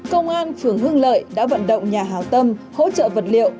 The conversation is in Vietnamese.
công an phường hương lợi đã vận động nhà hào tâm hỗ trợ vật liệu